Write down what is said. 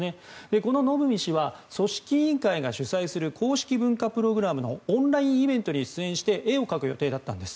こののぶみ氏は組織委員会が主催する公式文化プログラムのオンラインイベントに出演して絵を描く予定だったんです。